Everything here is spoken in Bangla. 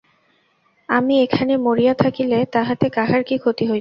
আমি এখানে মরিয়া থাকিলে তাহাতে কাহার কী ক্ষতি হইত।